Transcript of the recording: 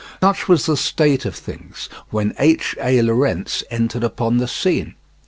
Such was the state of things when H. A. Lorentz entered upon the scene.